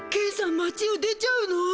町を出ちゃうの？